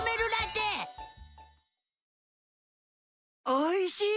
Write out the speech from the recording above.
おいしい！